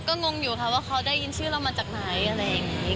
ก็งงอยู่ค่ะว่าเขาได้ยินชื่อเรามาจากไหนอะไรอย่างนี้